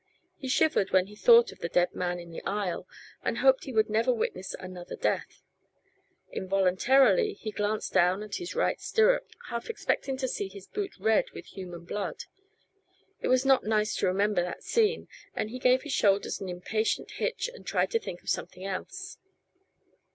He shivered when he thought of the dead man in the aisle, and hoped he would never witness another death; involuntarily he glanced down at his right stirrup, half expecting to see his boot red with human blood. It was not nice to remember that scene, and he gave his shoulders an impatient hitch and tried to think of something else.